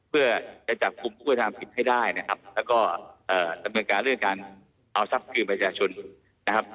เพื่อจะจับกลุ่มผู้กระทำผิดให้ได้นะครับแล้วก็ดำเนินการเรื่องการเอาทรัพย์คืนประชาชนนะครับ